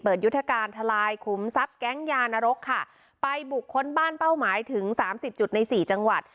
ยุทธการทลายขุมทรัพย์แก๊งยานรกค่ะไปบุคคลบ้านเป้าหมายถึงสามสิบจุดในสี่จังหวัด